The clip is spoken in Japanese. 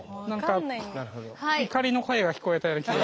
何か怒りの声が聞こえたような。